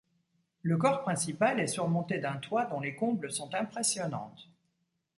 Le corps principal est surmonté d'un toit dont les combles sont impressionnantes.